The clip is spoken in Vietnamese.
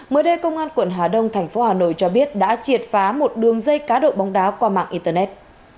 mới đây công an quận hà đông thành phố hà nội cho biết đã triệt phá một đường dây cá độ bóng đá qua mạng internet